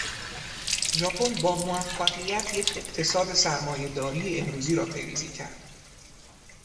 ژاپن با موفقیت، یک اقتصاد سرمایهداری امروزی را پیریزی کرد.